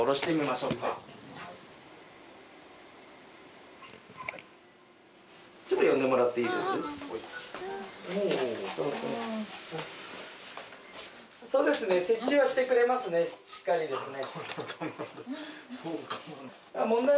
しっかりですね。